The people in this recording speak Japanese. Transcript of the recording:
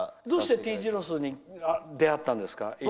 どうしてＴ字路ｓさんに出会ったんですか？